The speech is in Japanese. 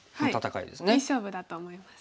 いい勝負だと思いますので。